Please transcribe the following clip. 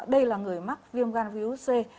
đây là người mắc viêm gan virus c